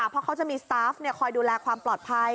เพราะเขาจะมีสตาฟคอยดูแลความปลอดภัย